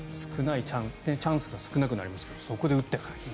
チャンスが少なくなりますからそこで打っていけるか。